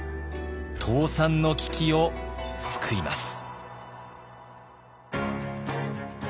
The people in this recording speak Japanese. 倒産の危機を救います。